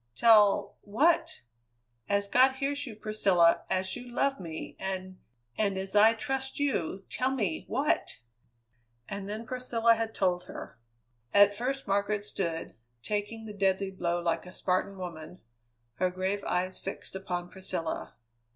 "Tell what? As God hears you, Priscilla, as you love me, and and as I trust you, tell me what?" And then Priscilla had told her. At first Margaret stood, taking the deadly blow like a Spartan woman, her grave eyes fixed upon Priscilla.